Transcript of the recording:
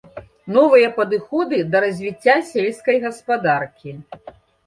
Новыя падыходы да развіцця сельскай гаспадаркі.